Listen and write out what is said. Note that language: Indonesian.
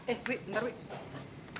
eh wih bentar wih